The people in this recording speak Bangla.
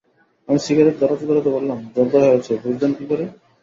আমি সিগারেট ধরাতে-ধরাতে বললাম, ঝগড়া হয়েছে বুঝলেন কী করে?